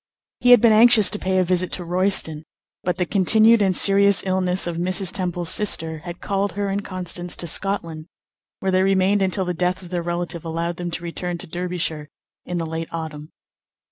He had been anxious to pay a visit to Royston; but the continued and serious illness of Mrs. Temple's sister had called her and Constance to Scotland, where they remained until the death of their relative allowed them to return to Derbyshire in the late autumn.